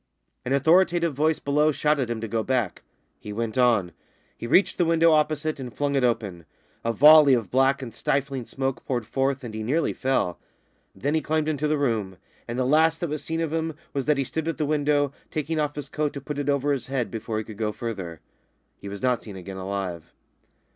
An authoritative voice below shouted to him to go back. He went on. He reached the window opposite and flung it open. A volley of black and stifling smoke poured forth and he nearly fell. Then he climbed into the room, and the last that was seen of him was that he stood at the window, taking off his coat to put it over his head before he could go further. He was not seen again alive.